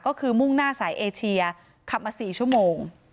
ก็คือมุ่งหน้าสายเอเชียขับมา๔ชั่วโมง